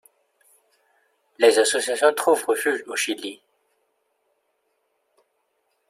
Les associations trouvent refuge au Chili.